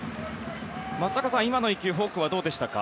松坂さん、今の１球フォークはどうでしたか？